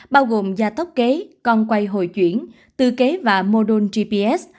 bao gồm gia tốc kế con quay hồi chuyển tư kế và module gps